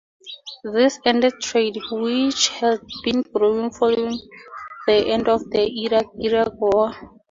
This ended trade, which had been growing following the end of the Iran-Iraq War.